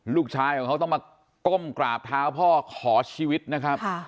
ลูกชายของเขาต้องมาก้มกราบเท้าพ่อขอชีวิตนะครับ